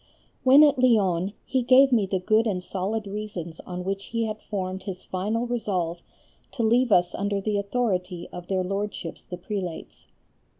When at Lyons he gave me the good and solid reasons on which he had formed his final resolve to leave us under the authority of their Lordships the prelates.